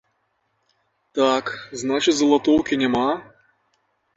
Так, значыць, залатоўкі няма?